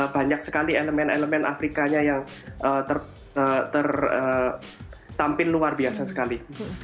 banyak sekali elemen elemen afrikanya yang tertampil luar biasa sekali